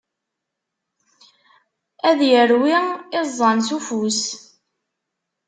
Ad irwi iẓẓan s ufus.